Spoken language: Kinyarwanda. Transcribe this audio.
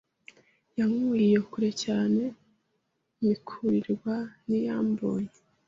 Yankuye iyo kure cyane mpikurirwa n’Iyambonye